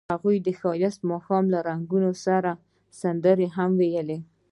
هغوی د ښایسته ماښام له رنګونو سره سندرې هم ویلې.